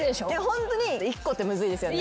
ホントに１個ってむずいですよね。